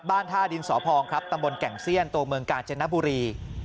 ท่าดินสอพองครับตำบลแก่งเซียนตัวเมืองกาญจนบุรี